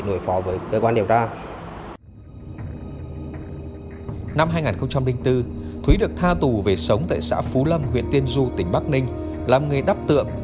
mới trở về địa phương vài năm nhưng cuộc sống của vợ chồng thúy duyên đã thay đổi một cách nhanh chóng